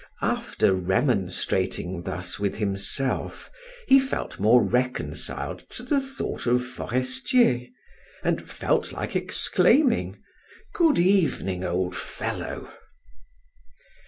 After remonstrating thus with himself, he felt more reconciled to the thought of Forestier, and felt like exclaiming: "Good evening, old fellow!"